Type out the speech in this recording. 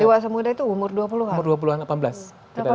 dewasa muda itu umur dua puluh an